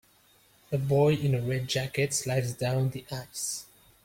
A boy in a red jacket slides down the ice.